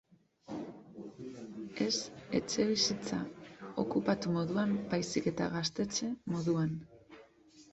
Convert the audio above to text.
Ez etxebizitza okupatu moduan baizik eta Gaztetxe moduan.